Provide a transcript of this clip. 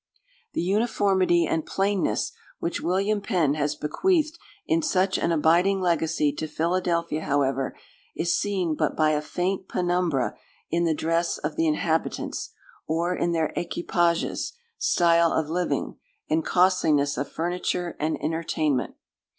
The uniformity and plainness which William Penn has bequeathed in such an abiding legacy to Philadelphia, however, is seen but by a faint penumbra in the dress of the inhabitants, or in their equipages, style of living, and costliness of furniture and entertainment.